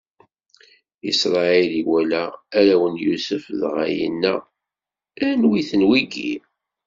Isṛayil iwala arraw n Yusef, dɣa yenna: Anwi-ten wigi?